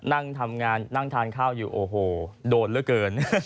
นั่งทำงานนั่งทานข้าวอยู่โอ้โหโดนเหลือเกิน